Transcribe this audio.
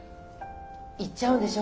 行っちゃうんでしょ？